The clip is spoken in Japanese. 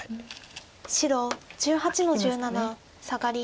白１８の十七サガリ。